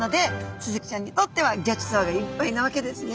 スズキちゃんにとってはギョちそうがいっぱいなわけですね。